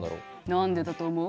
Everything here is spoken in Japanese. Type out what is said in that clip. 何でだと思う？